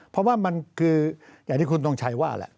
เพราะว่ามันคืออย่างที่คุณทงชัยว่าแหละ